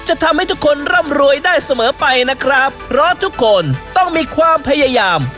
จะทำให้ทุกคนร่ำรวยได้เสมอไปนะครับเพราะทุกคนต้องมีความพยายาม